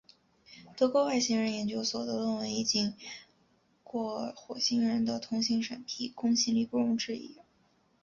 德国外星人研究所的论文已经过火星人的同行审批，公信力不容置疑。